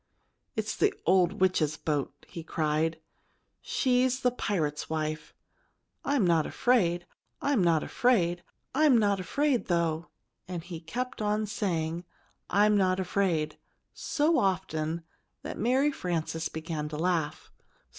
"It's the old witch's boat!" he cried. "She's the pirate's wife. I'm not afraid! I'm not afraid! I'm not afraid, though!" And he kept on saying, "I'm not afraid!" so often that Mary Frances began to laugh.